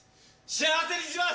幸せにします！